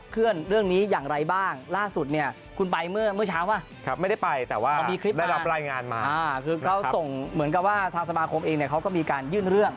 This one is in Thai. คือเขาส่งเหมือนกับว่าทางสมาคมเองเนี่ยเขาก็มีการยื่นเรื่อง